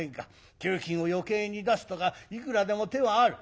給金を余計に出すとかいくらでも手はある」。